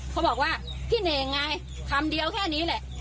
เขาบอกว่าพี่เน่งไงคำเดียวแค่นี้แหละ